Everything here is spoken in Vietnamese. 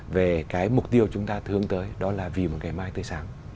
về cái mục tiêu chúng ta hướng tới đó là vì một ngày mai tươi sáng